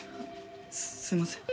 すいません。